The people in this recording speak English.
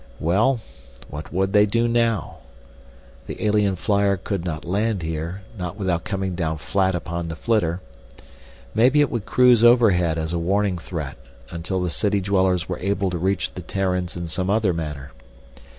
Well, what would they do now? The alien flyer could not land here, not without coming down flat upon the flitter. Maybe it would cruise overhead as a warning threat until the city dwellers were able to reach the Terrans in some other manner.